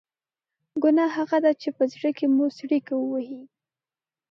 ګناه هغه ده چې په زړه کې مو څړیکه ووهي.